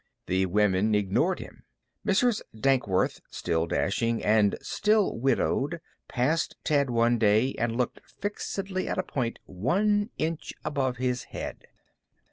The women ignored him. Mrs. Dankworth, still dashing and still widowed, passed Ted one day and looked fixedly at a point one inch above his head.